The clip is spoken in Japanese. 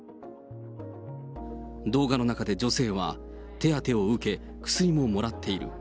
動画の中で女性は、手当てを受け、薬ももらっている。